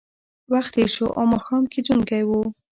وخت تېر شو او ماښام کېدونکی و